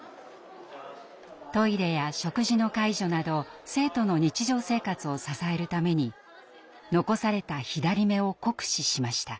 トイレや食事の介助など生徒の日常生活を支えるために残された左目を酷使しました。